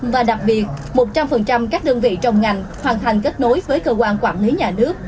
và đặc biệt một trăm linh các đơn vị trong ngành hoàn thành kết nối với cơ quan quản lý nhà nước